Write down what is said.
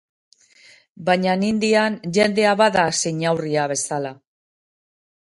Bainan Indian jendea bada xinaurria bezala.